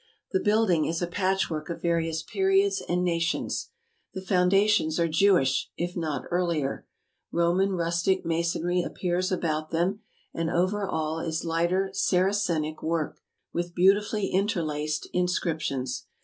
The building is a patch work of various periods and nations. The foundations are Jewish, if not earlier; Roman rustic masonry appears about them; and over all is lighter Saracenic work, with beauti fully interlaced inscriptions.